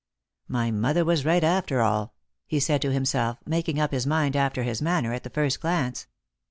" My mother was right after all," he said to himself, making up his mind, after his manner, at the first glance.